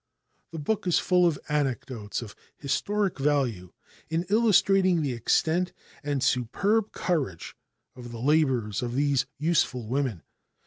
The book is full of anecdotes of historic value in illustrating the extent and superb courage of the labors of these useful women.